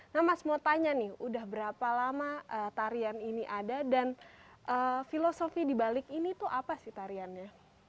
nah mas mau tanya nih udah berapa lama tarian ini ada dan filosofi dibalik ini tuh apa sih tariannya